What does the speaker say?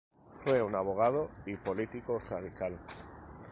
Fue un abogado y político radical.